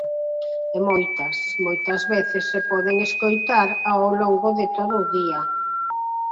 E moitas, moitas veces se poden escoitar ao longo de todo o día.